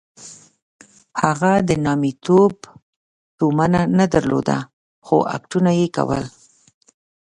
هغه د نامیتوب تومنه نه درلوده خو اکټونه یې کول.